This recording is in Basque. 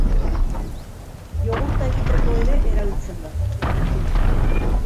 Jogurta egiteko ere erabiltzen da.